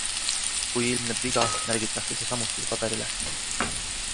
Kui ilmneb viga, märgitakse see samuti paberile.